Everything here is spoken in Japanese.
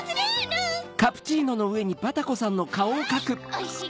おいしい